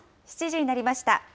７時になりました。